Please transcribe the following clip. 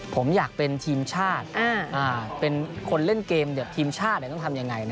ผมอยากเป็นทีมชาติเป็นคนเล่นเกมทีมชาติต้องทำยังไง